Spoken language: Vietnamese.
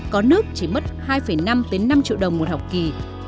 có nước chỉ mất hai năm đến năm triệu đồng một học kỳ